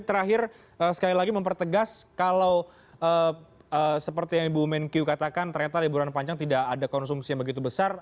terakhir sekali lagi mempertegas kalau seperti yang ibu menkyu katakan ternyata liburan panjang tidak ada konsumsi yang begitu besar